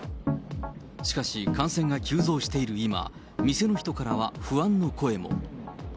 しかし、感染が急増している今、店の人からは不安の声も。